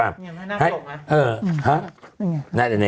อย่างเงี้ยพระนาคปรกมั้ย